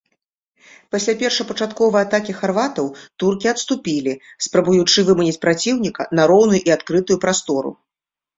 Пасля першапачатковай атакі харватаў, туркі адступілі, спрабуючы выманіць праціўніка на роўную і адкрытую прастору.